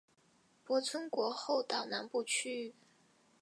泊村国后岛南部区域。